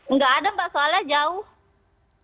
nggak ada mbak soalnya jauh